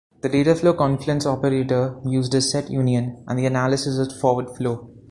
The data-flow confluence operator used is set union, and the analysis is forward flow.